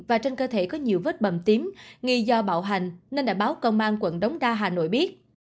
và trên cơ thể có nhiều vết bầm tím nghi do bạo hành nên đã báo công an quận đống đa hà nội biết